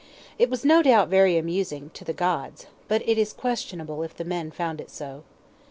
It was no doubt very amusing to the gods but it is questionable if the men found it so.